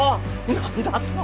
何だと！